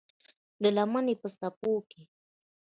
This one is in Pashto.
د لمنې په څپو کې یې